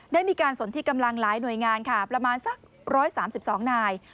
ได้มีการสนที่กำลังหลายหน่วยงานค่ะประมาณสัก๑๓๒นาย